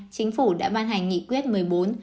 chính phủ đã ban hành nghị quyết một mươi bốn